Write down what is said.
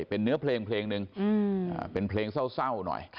เป็นเนื้อเพลงเพลงหนึ่งเป็นเพลงเศร้าหน่อย